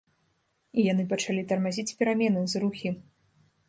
І яны пачалі тармазіць перамены, зрухі.